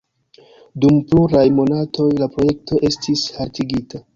Dum pluraj monatoj la projekto estis haltigita.